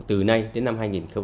từ nay đến năm hai nghìn hai mươi